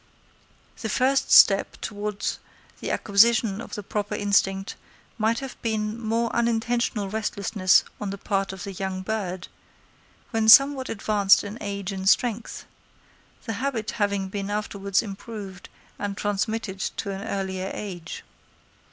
The first step towards the acquisition of the proper instinct might have been mere unintentional restlessness on the part of the young bird, when somewhat advanced in age and strength; the habit having been afterwards improved, and transmitted to an earlier age.